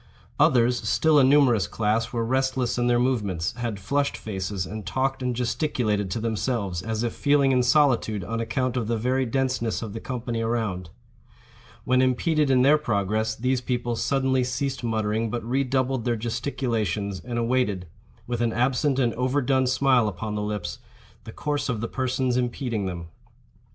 Others, still a numerous class, were restless in their movements, had flushed faces, and talked and gesticulated to themselves, as if feeling in solitude on account of the very denseness of the company around. When impeded in their progress, these people suddenly ceased muttering, but re doubled their gesticulations, and awaited, with an absent and overdone smile upon the lips, the course of the persons impeding them.